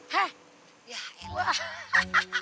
hah ya elah